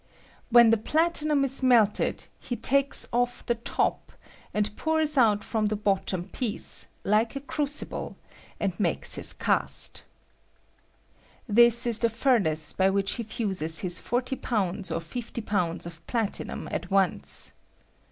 When the platinum is melted, he takes off the top and pours out from the bottom piece, like a crucible, and makes his FUSIOK OF PLATINUM IN QUANTITY. 213 cast. This is the famaee by which he fiiaes his forty pounds or fifty pounds of platinum at once.